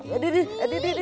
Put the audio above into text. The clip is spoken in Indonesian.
adi adi adi adi adi